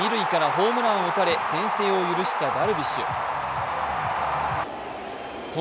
ツーアウト二塁からホームランを打たれ先制を許したダルビッシュ。